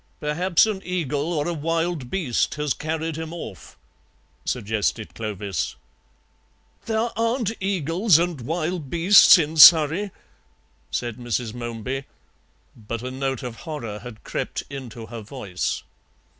"Perhaps an eagle or a wild beast has carried him off," suggested Clovis. "There aren't eagles and wild beasts in Surrey," said Mrs. Momeby, but a note of horror had crept into her voice.